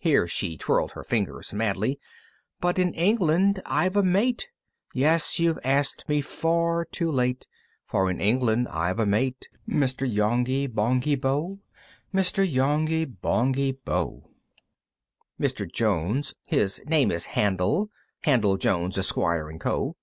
(Here she twirled her fingers madly) "But in England I've a mate! "Yes! you've asked me far too late, "For in England I've a mate, "Mr. Yonghy Bonghy Bò! "Mr. Yonghy Bonghy Bò! VI. "Mr. Jones (his name is Handel, "Handel Jones, Esquire, & Co.)